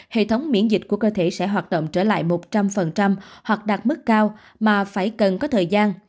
hệ thống miễn dịch của cơ thể sẽ hoạt động trở lại một trăm linh hoặc đạt mức cao mà phải cần có thời gian